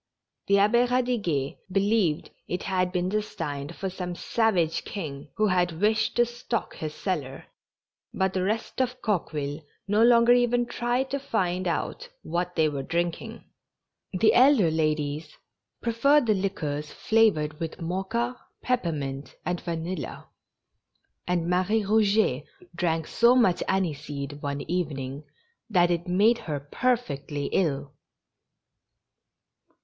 The Abbe Ead iguet believed it had been destined for some savage king, who had wished to stock his cellar; but the rest of Coqueville no longer even tried to find out what they were drinking. The elder ladies preferred the liquors flavored with mocha, peppermint, and vanilla; and Marie Eouget drank so much aniseed one evening that it made her perfectly ill.